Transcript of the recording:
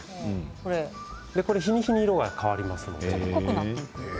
日に日に色が変わります。